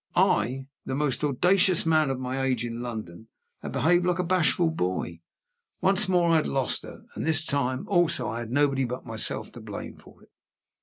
I, the most audacious man of my age in London, had behaved like a bashful boy! Once more I had lost her and this time, also, I had nobody but myself to blame for it.